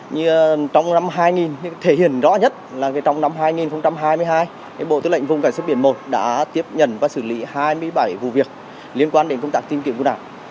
như trong năm hai nghìn thể hiện rõ nhất là trong năm hai nghìn hai mươi hai bộ tư lệnh vùng cảnh sát biển một đã tiếp nhận và xử lý hai mươi bảy vụ việc liên quan đến công tác tìm kiếm cứu nạn